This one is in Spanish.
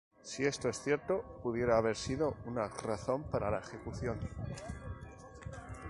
Si esto es cierto, pudiera haber sido una razón para la ejecución.